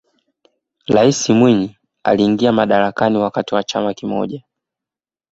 raisi mwinyi aliingia madarakani wakati wa chama kimoja